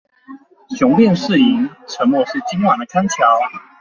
雄辯是銀，沉默是今晚的康橋